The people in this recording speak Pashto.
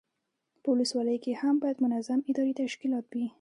په ولسوالیو کې هم باید منظم اداري تشکیلات وي.